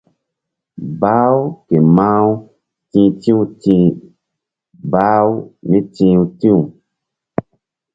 Bah-u ke mah-u ti̧h ti̧w ti̧h bah-u míti̧h ti̧w.